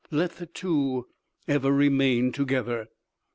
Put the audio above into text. Let the two ever remain together.